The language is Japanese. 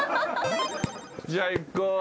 じゃあいこう。